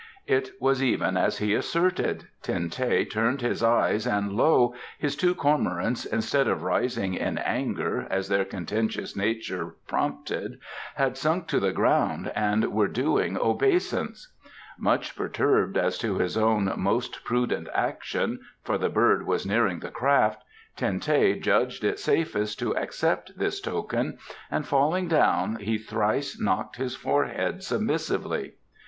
It was even as he asserted; Ten teh turned his eyes and lo, his two cormorants, instead of rising in anger, as their contentious nature prompted, had sunk to the ground and were doing obeisance. Much perturbed as to his own most prudent action, for the bird was nearing the craft, Ten teh judged it safest to accept this token and falling down he thrice knocked his forehead submissively.